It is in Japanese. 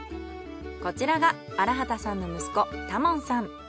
こちらが荒幡さんの息子多聞さん。